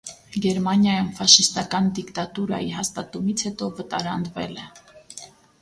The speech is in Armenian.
Գերմանիայում ֆաշիստական դիկտատուրայի հաստատումից հետո վտարանդվել է։